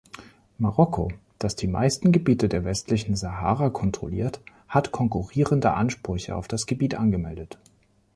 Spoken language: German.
Marokko, das die meisten Gebiete der westlichen Sahara kontrolliert, hat konkurrierende Ansprüche auf das Gebiet angemeldet.